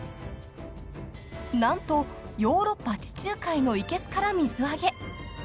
［何とヨーロッパ地中海のいけすから水揚げ］